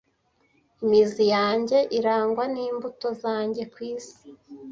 Imizi yanjye irangwa nimbuto zanjye kwisi